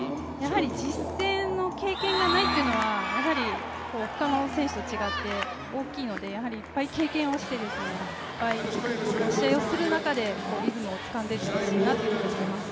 実戦の経験がないのは他の選手と違って大きいので、やはりいっぱい経験をして試合をする中でリズムをつかんでいってほしいなと思います。